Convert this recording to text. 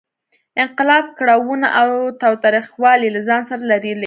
انقلاب کړاوونه او تاوتریخوالی له ځان سره لرلې.